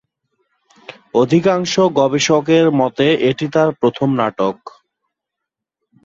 অধিকাংশ গবেষকের মতে এটি তার প্রথম নাটক।